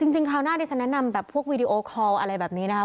คราวหน้าดิฉันแนะนำแบบพวกวีดีโอคอลอะไรแบบนี้นะครับ